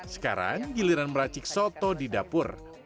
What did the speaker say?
sekarang giliran meracik soto di dapur